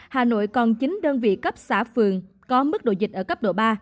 hà nội còn chín đơn vị cấp xã phường có mức độ dịch ở cấp độ ba